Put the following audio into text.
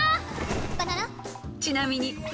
［ちなみに］